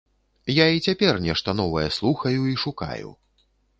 Я і цяпер нешта новае слухаю і шукаю.